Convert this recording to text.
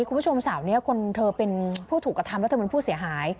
คุณผู้ชมสาวนี้เป็นผู้ถูกกระทำและเป็นผู้เสียหาย